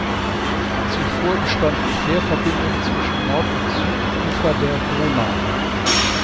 Zuvor bestanden Fährverbindungen zwischen Nord- und Südufer der Donau.